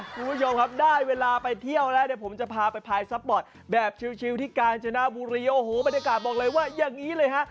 คุณผู้ชมครับได้เวลาไปเที่ยวแล้วเดี๋ยวผมจะพาไปพายซัพปอร์ตแบบชิลที่กาญจนบุรีโอ้โหบรรยากาศบอกเลยว่าอย่างนี้เลยฮะ